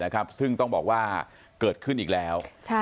ขึ้นอีกแล้ว